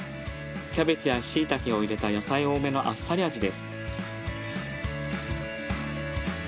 キャベツやしいたけを入れた野菜多めのあっさり味です。